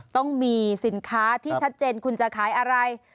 ต้องมีสินค้าที่ชัดเจนคุณจะขายอะไร